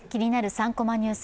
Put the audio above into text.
３コマニュース」